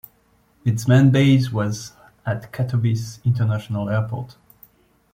Its main base was at Katowice International Airport.